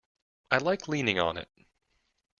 I like leaning on it.